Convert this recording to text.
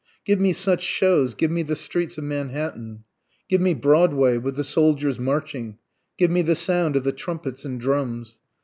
Give me such shows give me the streets of Manhattan! Give me Broadway, with the soldiers marching give me the sound of the trumpets and drums!